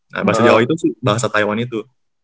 nah bahasa jawa itu sih bahasa taiwan itu